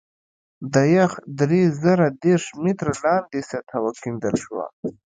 د یخ درې زره دېرش متره لاندې سطحه وکیندل شوه